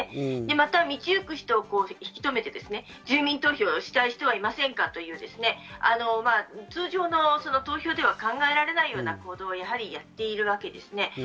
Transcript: また道行く人を引き留めて、住民投票したい人はいませんか？という、通常の投票では考えられないような行動をやはりやっているわけですね。